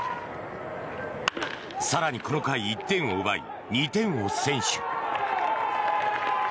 更にこの回１点を奪い２点を先取。